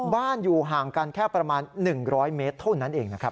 อยู่ห่างกันแค่ประมาณ๑๐๐เมตรเท่านั้นเองนะครับ